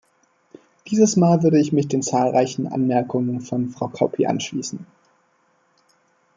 Dieses Mal würde ich mich zahlreichen Anmerkungen von Frau Kauppi anschließen.